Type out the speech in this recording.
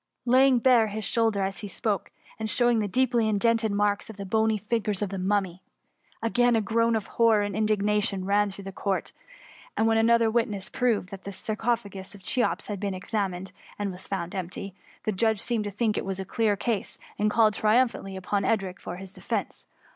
^ laying bare his shoulder as he spoke, and showing the deeply indented marks of the bony fingers of the Mummy, Again a groan of horror and indignation ran through the Court; and when another witness proved that the sarcophagus of Cheops had been ex amined, and was found empty, the judge seemed to think it was a clear case, and called triumphantly upon Edric for his defence.